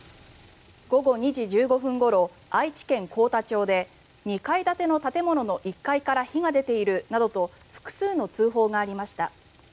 午後２時１５分ごろ愛知県幸田町で２階建ての建物の１階から火が出ているなどと複数の通報がありました。